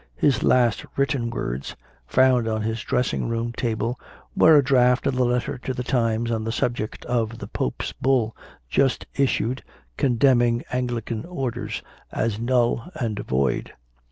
His last written words, found on his dressing room table, were a draft of a letter to the "Times" on the subject of the Pope s Bull, just issued, condemning Anglican Orders as null and void.